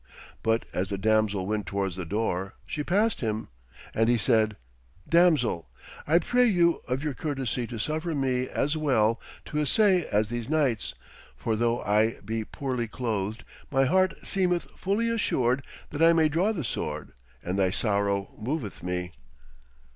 But as the damsel went towards the door, she passed him, and he said: 'Damsel, I pray you of your courtesy to suffer me as well to essay as these knights, for though I be poorly clothed, my heart seemeth fully assured that I may draw the sword, and thy sorrow moveth me.'